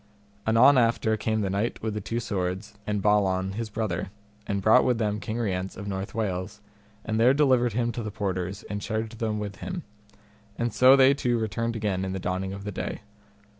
Anon after came the Knight with the Two Swords and Balan his brother, and brought with them King Rience of North Wales, and there delivered him to the porters, and charged them with him; and so they two returned again in the dawning of the day.